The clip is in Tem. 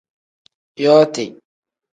Yooti.